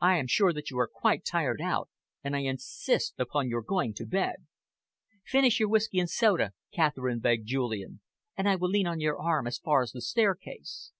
I am sure that you are quite tired out, and I insist upon your going to bed." "Finish your whisky and soda," Catherine begged Julian, "and I will lean on your arm as far as the staircase."